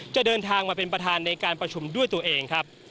จะเดินทางมาเป็นประธานในการประชุมด้วยตัวเองครับ